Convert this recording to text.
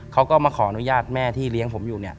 เขาก็มาขออนุญาตแม่ที่เลี้ยงผมอยู่